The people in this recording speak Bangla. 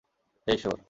হে, ঈশ্বর।